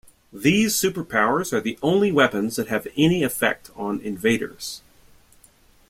These superpowers are the only weapons that have any effect on Invaders.